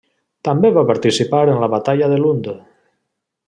També va participar en la Batalla de Lund.